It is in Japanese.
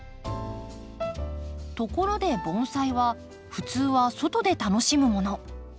ところで盆栽は普通は外で楽しむもの。